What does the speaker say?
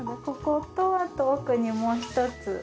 こことあと奥にもう１つ。